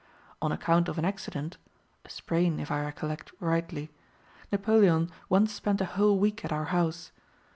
On account of an accident (a sprain, if I recollect rightly) Napoleon once spent a whole week at our house.